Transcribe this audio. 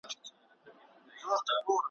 غليمان به فراريږي ,